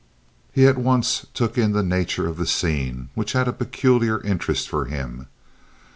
He at once took in the nature of the scene, which had a peculiar interest for him.